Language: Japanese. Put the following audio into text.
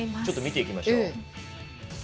ちょっと見ていきましょう。